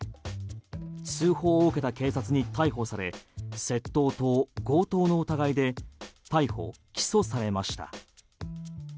通報を受けた警察に逮捕され窃盗と強盗の疑いで逮捕・起訴されました。